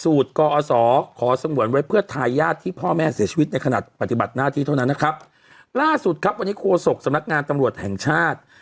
ขอสงวนไว้เพื่อทายาทที่พ่อแม่เสียชีวิตในขณะปฏิบัติหน้าที่เท่านั้นนะครับล่าสุดครับวันนี้โฆษกสำนักงานตำรวจแห่งชาติ